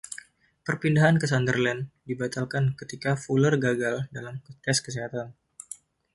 Perpindahan ke Sunderland dibatalkan ketika Fuller gagal dalam tes kesehatan.